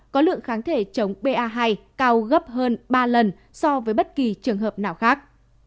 có lượng kháng thể chống ba cao gấp hơn ba lần so với bất kỳ trường hợp nào khác